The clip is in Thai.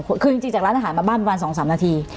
คือจริงจากร้านอาหารมาบ้านประมาณ๒๓นาที